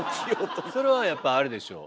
それはやっぱあれでしょう。